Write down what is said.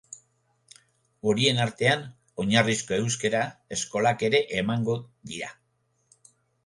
Horien artean oinarrizko euskara eskolak ere emango dira.